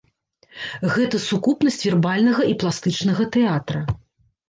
Гэта сукупнасць вербальнага і пластычнага тэатра.